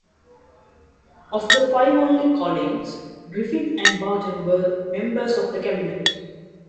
Of the five only Collins, Griffith and Barton were members of the cabinet.